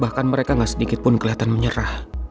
bahkan mereka gak sedikit pun keliatan menyerah